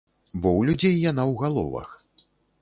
Бо ў людзей яна ў галовах.